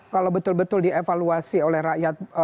kalau betul betul dievaluasi oleh rakyat